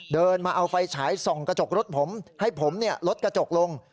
เดินมาเอาไฟฉายส่องกระจกรถผมให้ผมลดกระจกลง